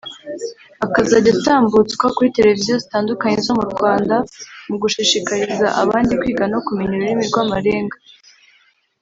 akazajya atambutswa kuri televiziyo zitandukanye zo mu Rwanda mu gushishikariza abandi kwiga no kumenya ururimi rw’amarenga